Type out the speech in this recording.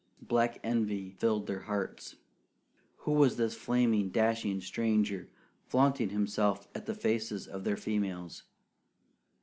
Black envy filled their hearts. Who was this flaming dashing stranger, flaunting himself in the faces of their females?